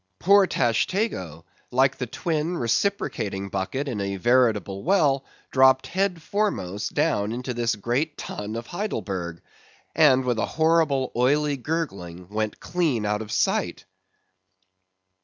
poor Tashtego—like the twin reciprocating bucket in a veritable well, dropped head foremost down into this great Tun of Heidelburgh, and with a horrible oily gurgling, went clean out of sight!